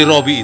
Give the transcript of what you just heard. ya pak haji